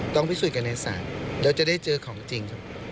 ต้องพิสูจน์กันในสารแล้วจะได้เจอของจริง